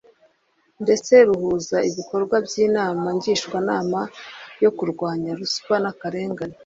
ndetse ruhuza ibikorwa by’inama ngishwanama yo kurwanya ruswa n’akarengane